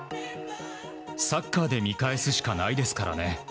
サッカーで見返すしかないですからね。